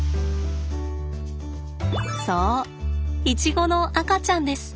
そうイチゴの赤ちゃんです。